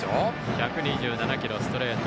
１２７キロ、ストレート。